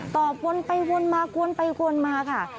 ตอบวนไปวนมาวนไปวนมาค่ะ